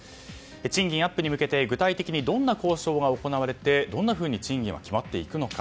賃金アップに向けて具体的にどのような交渉が行われどんなふうに賃金は決まっていくのか。